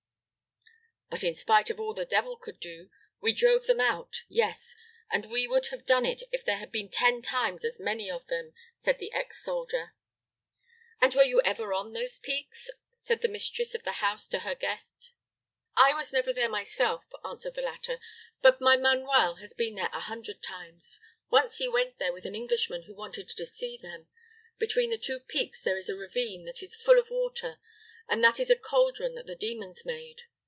"But, in spite of all the devil could do, we drove them out; yes, and we would have done it if there had been ten times as many of them!" said the ex soldier. "And were you ever on those peaks?" said the mistress of the house to her guest. "I was never there myself," answered the latter; "but my Manuel has been there a hundred times. Once he went there with an Englishman who wanted to see them. Between the two peaks there is a ravine that is full of water; and that is a cauldron that the demons made.